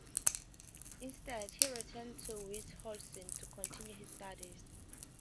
Instead he returned to Witzenhausen to continue his studies.